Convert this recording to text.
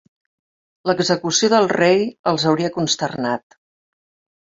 L"execució del Rei els hauria consternat.